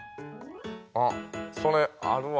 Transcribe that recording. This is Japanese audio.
あっそれあるわ。